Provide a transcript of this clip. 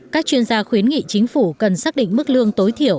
các chuyên gia khuyến nghị chính phủ cần xác định mức lương tối thiểu